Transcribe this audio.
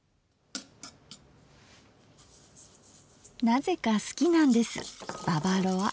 なぜか好きなんですババロア。